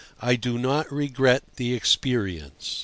I do not regret the experience.